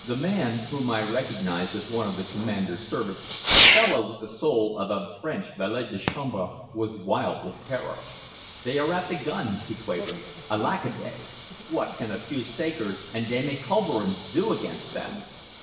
The man, whom I recognized as one of the commander's servants, a fellow with the soul of a French valet de chambre, was wild with terror. "They are at the guns!" he quavered. "Alackaday! what can a few sakers and demiculverins do against them?"